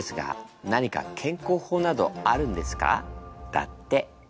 だって。